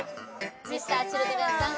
Ｍｒ．Ｃｈｉｌｄｒｅｎさん